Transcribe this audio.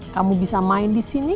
kamu bisa main di sini